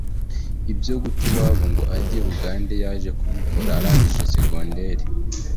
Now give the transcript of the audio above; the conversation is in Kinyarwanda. Ibyo guta iwabo ngo ajye Bugande yaje kubikora arangije segonderi